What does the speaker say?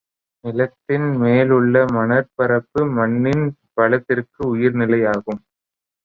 நிலத்தின் மேலுள்ள மணற்பரப்பு மண்ணின் வளத்திற்கு உயிர் நிலையாகும்.